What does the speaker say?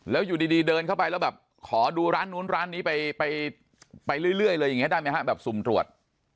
แล้วอยู่ดีเดินเข้าไปแล้วแบบขอดูร้านนู้นร้านนี้ไปเรื่อยเลยอย่างนี้ได้ไหมฮะแบบสุ่มตรวจ